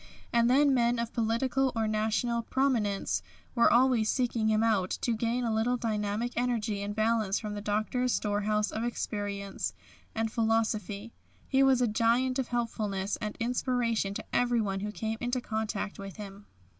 And then men of political or national prominence were always seeking him out, to gain a little dynamic energy and balance from the Doctor's storehouse of experience and philosophy. He was a giant of helpfulness and inspiration, to everyone who came into contact with him.